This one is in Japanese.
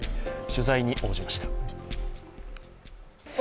取材に応じました。